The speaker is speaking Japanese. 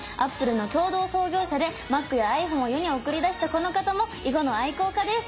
Ａｐｐｌｅの共同創業者でＭａｃやｉＰｈｏｎｅを世に送り出したこの方も囲碁の愛好家です！